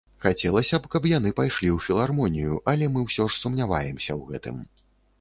Хацелася б, каб яны пайшлі ў філармонію, але мы ўсё ж сумняваемся ў гэтым.